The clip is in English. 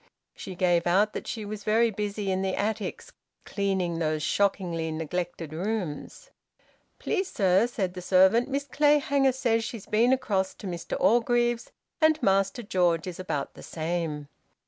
She gave out that she was very busy in the attics, cleaning those shockingly neglected rooms. "Please, sir," said the servant, "Miss Clayhanger says she's been across to Mr Orgreave's, and Master George is about the same."